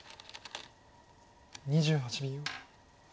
２８秒。